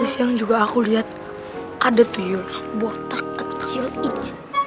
tadi siang juga aku liat ada tuyul botak kecil itu